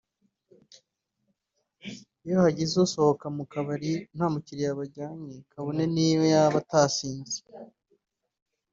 Iyo hagize usohoka mu kabari nta mukiriya bajyanye kabone niyo yaba atasinze